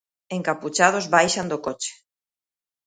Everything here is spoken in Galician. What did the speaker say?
Encapuchados baixan do coche.